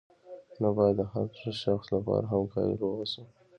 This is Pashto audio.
نو باید د هر شخص لپاره هم قایل واوسو.